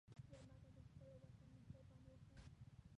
مېلمه ته د خپل وطن مهرباني وښیه.